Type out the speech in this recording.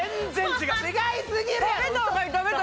違いすぎるやろ！